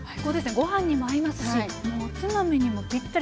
ご飯にも合いますしおつまみにもぴったり。